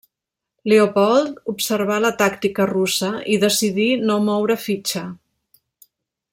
Leopold observà la tàctica russa i decidí no moure fitxa.